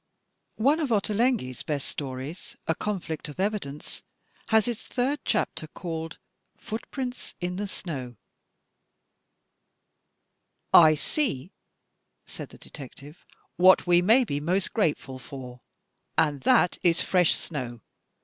One of Ottolengui's best stories, " A Conflict of Evidence," has its third chapter called "Footprints in the Snow." ^^A FOOTPRINTS AND FINGERPRINTS 1 85 "I sec, said the detective, "what we may be most grateful for, and that is fresh snow.